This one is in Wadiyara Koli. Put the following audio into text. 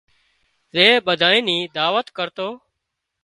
زي ٻڌانئي ني دعوت ڪرتون